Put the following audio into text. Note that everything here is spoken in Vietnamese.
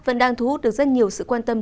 vẫn đang thu hút được rất nhiều sự quan tâm